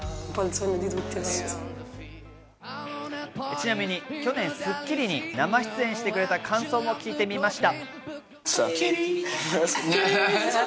ちなみに去年『スッキリ』に生出演してくれた感想も聞いてみました。